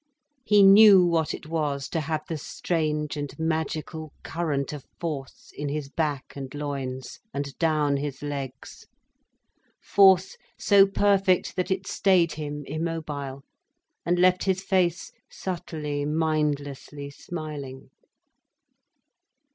He knew what it was to have the strange and magical current of force in his back and loins, and down his legs, force so perfect that it stayed him immobile, and left his face subtly, mindlessly smiling.